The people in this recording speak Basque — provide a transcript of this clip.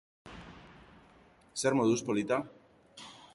Zer moduz, polita?